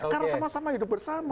karena sama sama hidup bersama